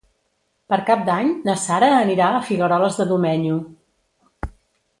Per Cap d'Any na Sara anirà a Figueroles de Domenyo.